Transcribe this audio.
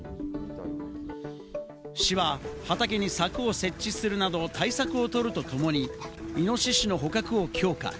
市は畑に柵を設置するなど、対策を取るとともに、イノシシの捕獲を強化。